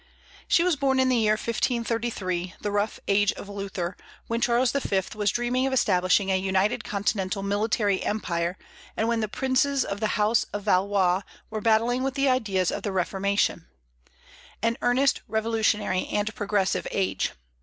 She was born in the year 1533, the rough age of Luther, when Charles V. was dreaming of establishing a united continental military empire, and when the princes of the House of Valois were battling with the ideas of the Reformation, an earnest, revolutionary, and progressive age.